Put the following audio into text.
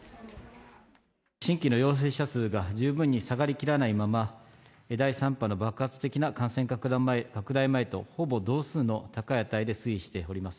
新規の陽性者数が十分に下がりきらないまま、第３波の爆発的な感染拡大前とほぼ同数の高い値で推移しております。